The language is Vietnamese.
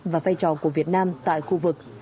và vai trò của việt nam tại khu vực